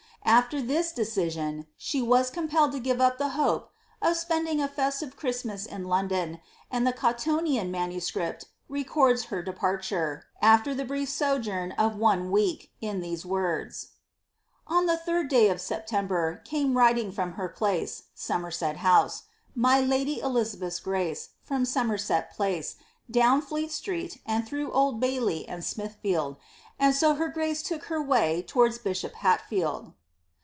Af\er this decision she was compelled lo ipve up the hope of spending a festive Christmas in London, and the Cottonian MS.* records her departure, aAer the brief sojourn of one week« in these words :—^ On the third day of September came riding from her place (Somer set House) my lady Elizabeth's grace, from Somerset Place, down Fleet Street and through Old Baily and Smithfieid, and so her grace took her way towards Bishop Hatfield."